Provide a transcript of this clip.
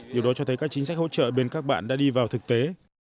điều đó cho thấy các chính sách hỗ trợ bên các bạn đã đi vào thực tế